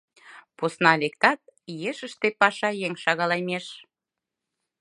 Посна лектат — ешыште паша еҥ шагалемеш.